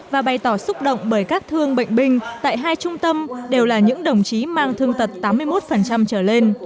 và bày tỏ xúc động bởi các thương bệnh binh tại hai trung tâm đều là những đồng chí mang thương tật tám mươi một trở lên